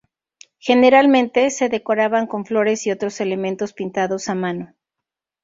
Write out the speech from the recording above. Generalmente, se decoraban con flores y otros elementos pintados a mano.